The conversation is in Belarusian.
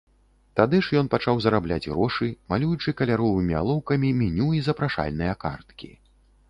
Тады ж ён пачаў зарабляць грошы, малюючы каляровымі алоўкамі меню і запрашальныя карткі.